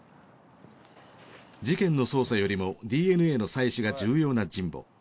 事件の捜査よりもＤＮＡの採取が重要な神保。